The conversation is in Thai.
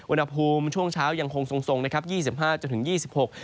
วนอภูมิช่วงเช้ายังคงทรง๒๕๒๖องศาเซียต